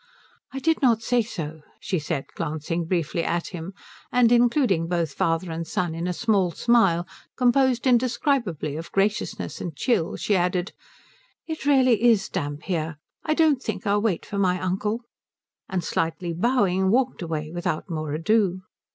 "I did not say so," she said, glancing briefly at him; and including both father and son in a small smile composed indescribably of graciousness and chill she added, "It really is damp here I don't think I'll wait for my uncle," and slightly bowing walked away without more ado.